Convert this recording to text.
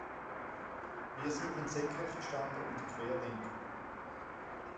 Wir suchen Senkrechtstarter und Querdenker.